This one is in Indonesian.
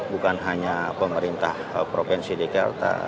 bukan hanya pemerintah provinsi dki jakarta